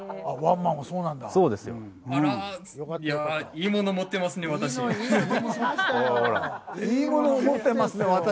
「いいもの持ってますね私」って。